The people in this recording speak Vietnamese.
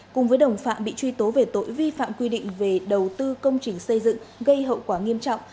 cùng với đồng phạm bị truy tố về tội vi phạm quy định về đầu tư công trình xây dựng gây hậu quả nghiêm trọng